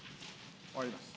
終わります。